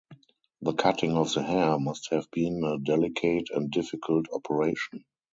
The cutting of the hair must have been a delicate and difficult operation.